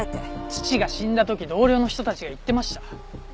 父が死んだ時同僚の人たちが言ってました。